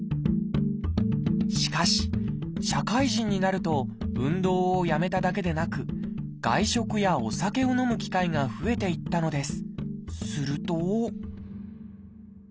しかし社会人になると運動をやめただけでなく外食やお酒を飲む機会が増えていったのです。